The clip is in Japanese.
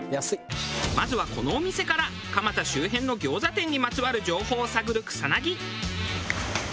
まずはこのお店から蒲田周辺の餃子店にまつわる情報を探る草薙。